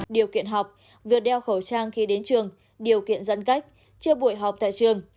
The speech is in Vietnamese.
điều kiện học việc đeo khẩu trang khi đến trường điều kiện giãn cách chưa buổi họp tại trường